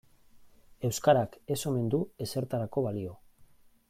Euskarak ez omen du ezertarako balio.